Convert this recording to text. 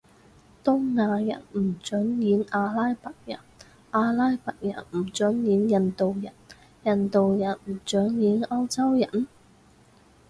東亞人唔准演阿拉伯人，阿拉伯人唔准演印度人，印度人唔准演歐洲人？